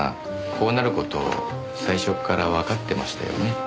こうなる事最初からわかってましたよね？